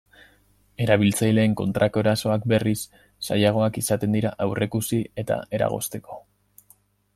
Erabiltzaileen kontrako erasoak, berriz, zailagoak izaten dira aurreikusi eta eragozteko.